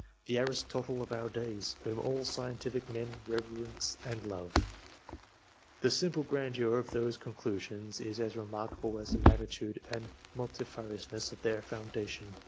"the Aristotle of our days," whom all scientific men reverence and love ; the simple grandeur of whose conclusions is as remarkable as the magnitude and multifariousness of their foundation.